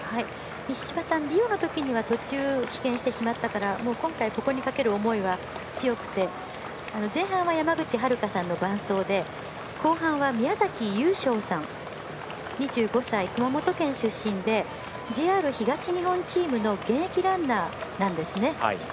西島さん、リオのときには途中、棄権してしまったからここにかける思いは強くて前半は山口遥さんの伴走で、後半は宮崎勇将さん２５歳、熊本県出身でＪＲ東日本チームの現役ランナーなんですね。